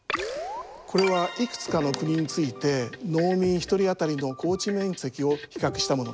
これはいくつかの国について農民一人当たりの耕地面積を比較したものです。